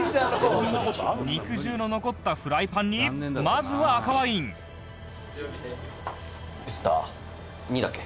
「肉汁の残ったフライパンにまずは赤ワイン」「ウスター２だっけ？」